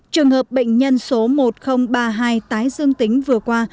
trường hợp bệnh nhân số một nghìn ba mươi hai tái dương tính vừa qua